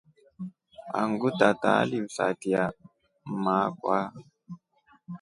Angu tata alimsatia mma akwa.